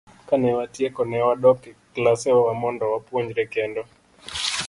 Kane watieko, ne wadok e klasewa mondo wapuonjre kendo.